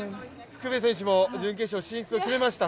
福部選手も準決勝進出を決めました。